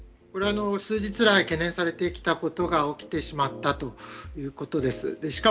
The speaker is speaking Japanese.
数日来、懸念されていたことが起きてしまったということです。